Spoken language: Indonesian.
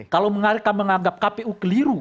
kalau menganggap kpu keliru